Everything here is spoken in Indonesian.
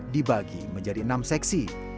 dibagi menjadi enam seksi